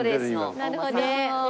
なるほど。